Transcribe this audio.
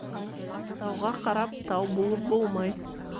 Тауға ҡарап тау булып булмай.